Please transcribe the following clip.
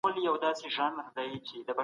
يوه ټولنه خپل کلتور او فرهنګ تکامل ته وړي.